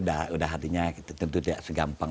udah hatinya tentu tidak segampang